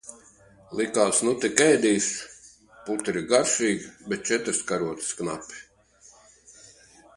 Likās, nu tik ēdīšu, putra ir garšīga, bet četras karotes knapi.